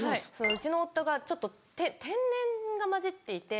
うちの夫がちょっと天然がまじっていて。